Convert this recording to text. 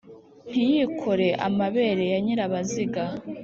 ntiyikore amabere ya nyirabaziga,